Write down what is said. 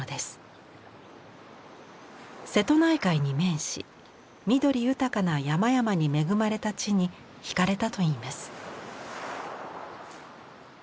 瀬戸内海に面し緑豊かな山々に恵まれた地に惹かれたといいます。